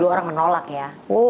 dulu orang menolak ya